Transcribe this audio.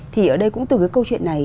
thì ở đây cũng từ cái câu chuyện này